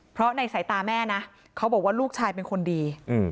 เพราะในสายตาแม่นะเขาบอกว่าลูกชายเป็นคนดี